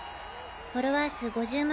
フォロワー数５０万